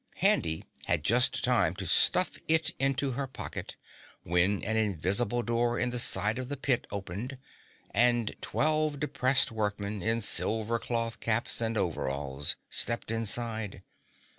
Handy had just time to stuff it into her pocket when an invisible door in the side of the pit opened and twelve depressed workmen in silver cloth caps and overalls stepped inside.